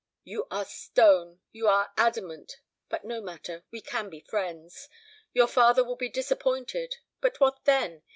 You are stone, you are adamant; but no matter, we can be friends. Your father will be disappointed. But what then?